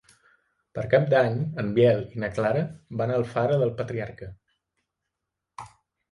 Per Cap d'Any en Biel i na Clara van a Alfara del Patriarca.